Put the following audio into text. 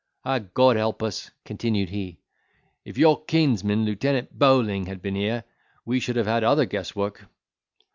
Ah! God help us!" continued he, "If your kinsman, Lieutenant Bowling, had been here, we should have had other guess work."